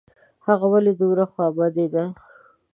هغه ولي دومره خوابدې ده ؟